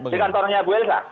di kantornya bu elsa